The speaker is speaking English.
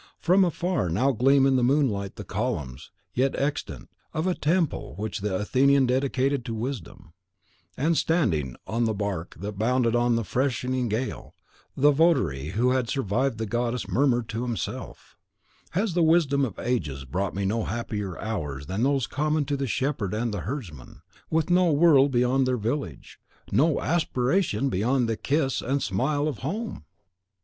From afar now gleam in the moonlight the columns, yet extant, of a temple which the Athenian dedicated to wisdom; and, standing on the bark that bounded on in the freshening gale, the votary who had survived the goddess murmured to himself, "Has the wisdom of ages brought me no happier hours than those common to the shepherd and the herdsman, with no world beyond their village, no aspiration beyond the kiss and the smile of home?"